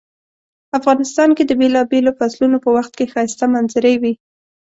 افغانستان کې د بیلابیلو فصلونو په وخت کې ښایسته منظرۍ وی